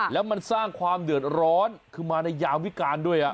แล้วมันสร้างความเดือดร้อนคือมาในยามวิการด้วย